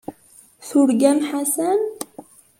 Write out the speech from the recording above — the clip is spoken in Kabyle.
Turgam Ḥasan.